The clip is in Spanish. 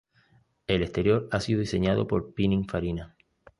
El exterior ha sido diseñado por Pininfarina.